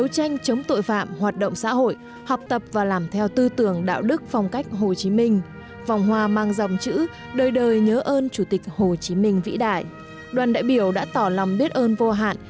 chủ tịch hồ chí minh vĩ đại đoàn đại biểu đã tỏ lòng biết ơn vô hạn